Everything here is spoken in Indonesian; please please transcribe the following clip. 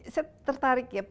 saya tertarik ya